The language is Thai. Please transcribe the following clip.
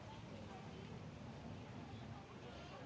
สวัสดีครับทุกคน